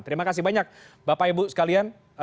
terima kasih banyak bapak ibu sekalian